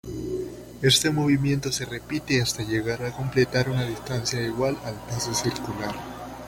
Este movimiento se repite hasta llegar a completar una distancia igual al paso circular.